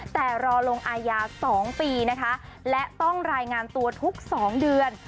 แต่รอลงอายา๒ปีนะคะและต้องรายงานตัวทุก๒เดือน